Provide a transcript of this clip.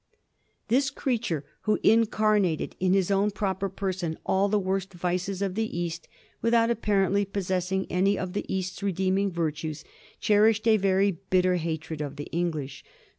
Tbis creature, wbo incarnated in bis own proper person all tbe worst vices of tbe East, witbont apparently pos sessing any of tbe East's redeeming yirtnes, cberisbcd a yery bitter batred of tbe Englisb.